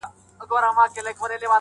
لپی لپی یې لا ورکړل غیرانونه!.